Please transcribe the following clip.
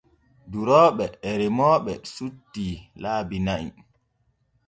Durooɓe e remooɓe sutti laabi na'i.